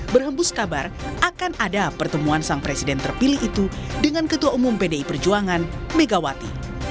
berhembus kabar akan ada pertemuan sang presiden terpilih itu dengan ketua umum pdi perjuangan megawati